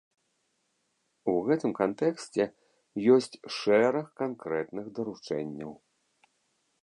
У гэтым кантэксце ёсць шэраг канкрэтных даручэнняў.